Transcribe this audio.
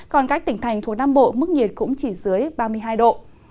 còn các tỉnh thành thuộc nam bộ mức nhiệt cũng chỉ dưới ba mươi hai độ